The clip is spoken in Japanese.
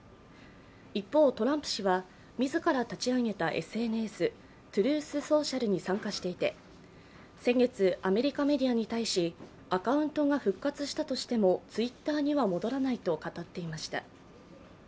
一方、トランプ氏は自ら立ち上げたＳＮＴｒｕｔｈＳｏｃｉａｌに参加していて先月、アメリカメディアに対し、アカウントが復活したとしてもＴｗｉｔｔｅｒには戻らないと語っていました。